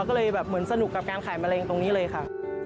ก็เลยแบบเหมือนสนุกกับการขายมะเร็งตรงนี้เลยค่ะ